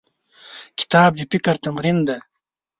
کتاب د فکر تمرین دی.